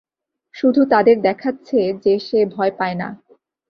শুধু তাদের দেখাচ্ছে যে সে ভয় পায় না।